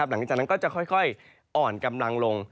หลังจากนั้นก็จะค่อยอ่อนกำลังลง